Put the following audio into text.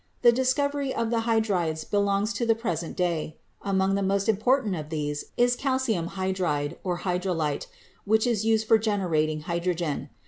The discovery of the hydrides belongs to the pres ent day ; among the most important of these is calcium hy dride, "hydrolite," which is used for generating hydrogen.